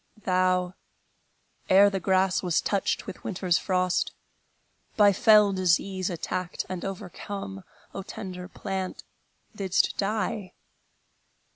Thou, ere the grass was touched with winter's frost, By fell disease attacked and overcome, O tender plant, didst die!